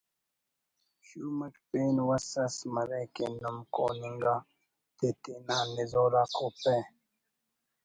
شوم it pain وس اس مرے کہ نم کون انگا تے تینا نزور آ کوپہ